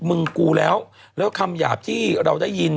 มึงกูแล้วแล้วคำหยาบที่เราได้ยิน